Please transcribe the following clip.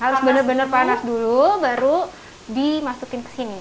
harus benar benar panas dulu baru dimasukin ke sini